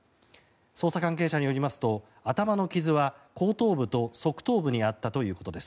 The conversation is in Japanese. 捜査関係者によりますと頭の傷は後頭部と側頭部にあったということです。